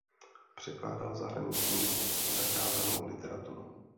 Překládal zahraniční zakázanou literaturu.